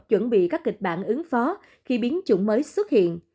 chuẩn bị các kịch bản ứng phó khi biến chủng mới xuất hiện